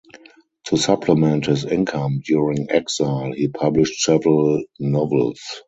To supplement his income during exile he published several novels.